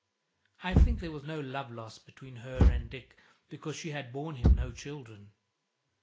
I think there was no love lost between her and Dick, because she had borne him no children.